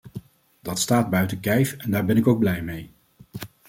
Dat staat buiten kijf en daar ben ik ook blij mee.